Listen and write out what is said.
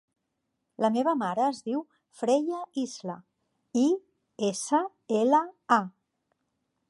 La meva mare es diu Freya Isla: i, essa, ela, a.